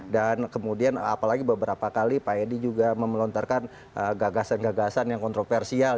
dan kemudian apalagi beberapa kali pak edi juga melontarkan gagasan gagasan yang kontroversial